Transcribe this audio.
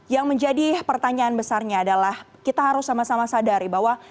yang menjadi pertanyaan besarnya adalah kita harus sama sama sadari bahwa